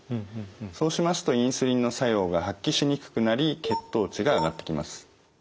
そうしますとインスリンの作用が発揮しにくくなり血糖値が上がってきます。